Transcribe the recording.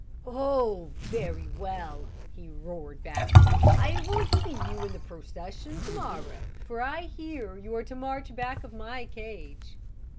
"Oh, very well," he roared back, "I will see you in the procession, to morrow, for I hear you are to march back of my cage."